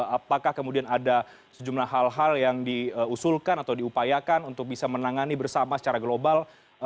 apakah kemudian ada sejumlah hal hal yang diusulkan atau diupayakan untuk bisa menangani bersama secara global